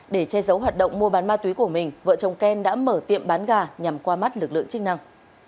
để che giấu hoạt động mua bán ma túy của mình vợ chồng ken đã mở tiệm bán gà nhằm qua mắt lực lượng chức năng